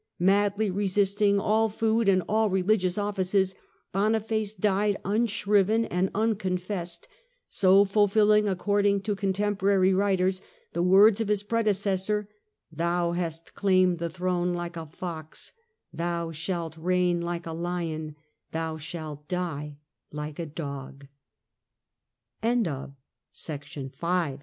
Madly resisting all food and all religious offices, Boniface died unshriven and unconfessed, so fulfiUing, according to contemporary writers, the words of his predecessor : "Thou hast claimed the throne like a fox; thou shalt reign hke a lion,